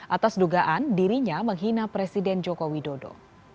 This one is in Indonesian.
atas dugaan dirinya menghina presiden joko widodo